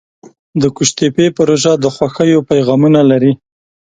د قوشتېپې پروژه د خوښیو پیغامونه لري.